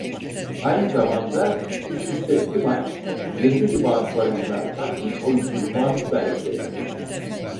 Aynı zamanda "üst üste iki maç yirmi ribaund barajını aşan ilk oyuncu" unvanını da elde etti.